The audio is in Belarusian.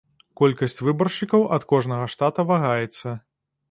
Колькасць выбаршчыкаў ад кожнага штата вагаецца.